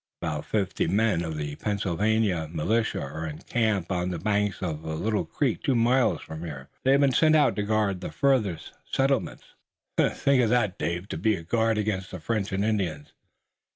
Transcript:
"About fifty men of the Pennsylvania militia are in camp on the banks of a little creek two miles from here. They have been sent out to guard the farthest settlements. Think of that, Dave! They're to be a guard against the French and Indians!"